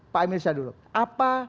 pak mirsya dulu apa